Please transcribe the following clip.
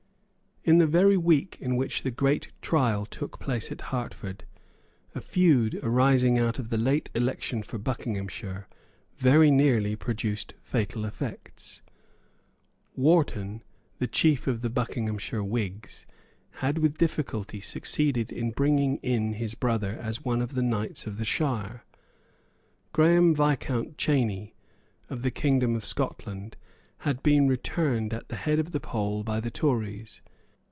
In the very week in which the great trial took place at Hertford, a feud arising out of the late election for Buckinghamshire very nearly produced fatal effects. Wharton, the chief of the Buckinghamshire Whigs, had with difficulty succeeded in bringing in his brother as one of the knights of the shire. Graham Viscount Cheyney, of the kingdom of Scotland, had been returned at the head of the poll by the Tories.